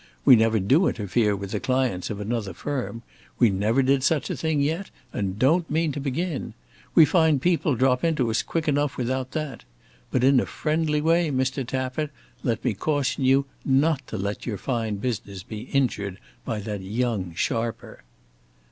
"We never do interfere with the clients of another firm. We never did such a thing yet, and don't mean to begin. We find people drop into us quick enough without that. But in a friendly way, Mr. Tappitt, let me caution you, not to let your fine business be injured by that young sharper."